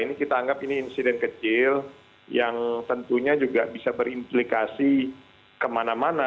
ini kita anggap ini insiden kecil yang tentunya juga bisa berimplikasi kemana mana